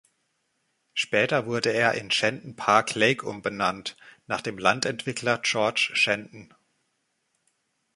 Später wurde er in Shenton Park Lake umbenannt, nach dem Landentwickler George Shenton.